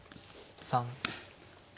３。